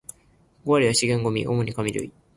五割は資源ゴミ、主に紙類